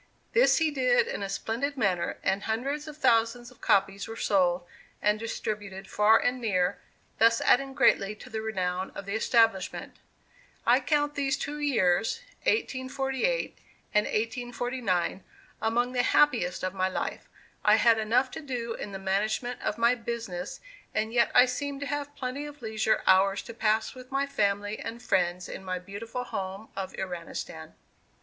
This he did in a splendid manner, and hundreds of thousands of copies were sold and distributed far and near, thus adding greatly to the renown of the establishment. I count these two years 1848 and 1849 among the happiest of my life. I had enough to do in the management of my business, and yet I seemed to have plenty of leisure hours to pass with my family and friends in my beautiful home of Iranistan.